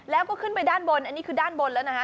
แล้วก็ขึ้นไปด้านบนอันนี้คือด้านบนแล้วนะฮะ